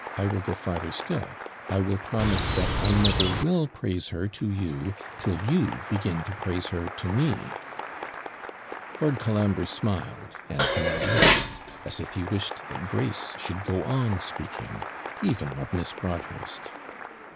I will go farther still I will promise that I never will praise her to you till you begin to praise her to me.' Lord Colambre smiled, and now listened, as if he wished that Grace should go on speaking, even of Miss Broadhurst.